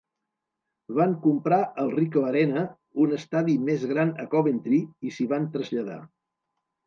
Van comprar el Ricoh Arena, un estadi més gran a Coventry, i s'hi van traslladar.